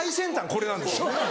これなんです。